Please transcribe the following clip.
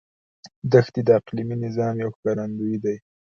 دښتې د اقلیمي نظام یو ښکارندوی دی.